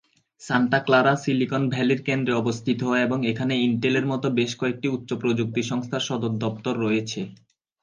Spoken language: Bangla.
সান্টা ক্লারা সিলিকন ভ্যালির কেন্দ্রে অবস্থিত এবং এখানে ইন্টেলের মতো বেশ কয়েকটি উচ্চ-প্রযুক্তি সংস্থার সদর দফতর রয়েছে।